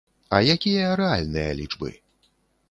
А якія рэальныя лічбы?